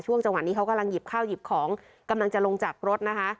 จังหวะนี้เขากำลังหยิบข้าวหยิบของกำลังจะลงจากรถนะคะ